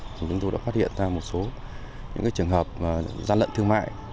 chúng tôi đã phát hiện ra một số trường hợp gian lận thương mại